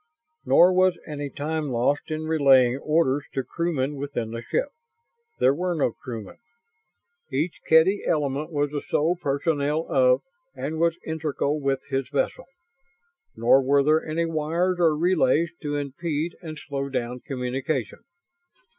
Nor was any time lost in relaying orders to crewmen within the ship. There were no crewmen. Each Kedy element was the sole personnel of, and was integral with, his vessel. Nor were there any wires or relays to impede and slow down communication.